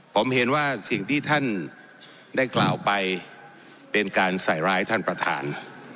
ผมเห็นว่าสิ่งที่ท่านได้กล่าวไปเป็นการใส่ร้ายท่านประธาน